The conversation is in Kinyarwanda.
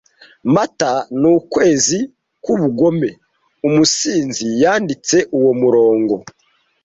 Mata ni ukwezi kwubugome - umusinzi yanditse uwo murongo